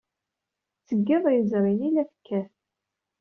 Seg yiḍ yezrin ay la tekkat.